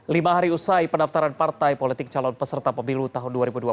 lima hari usai pendaftaran partai politik calon peserta pemilu tahun dua ribu dua puluh